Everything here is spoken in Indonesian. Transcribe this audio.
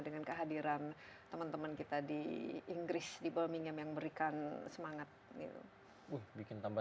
dengan kehadiran teman teman kita di inggris di birmingham yang memberikan semangat gitu bikin tambah